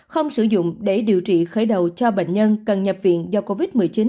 không sử dụng để điều trị khởi đầu cho bệnh nhân cần nhập viện do covid một mươi chín